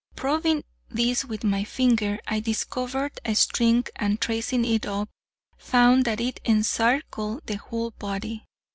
Probing this with my finger, I discovered a string, and tracing it up, found that it encircled the whole body.